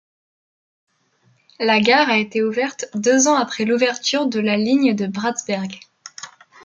La gare a été ouverte deux ans après l'ouverture de la ligne de Bratsberg.